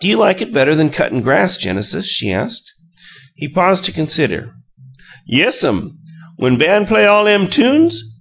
"Do you like it better than cuttin' grass, Genesis?" she asked. He paused to consider. "Yes'm when ban' play all lem TUNES!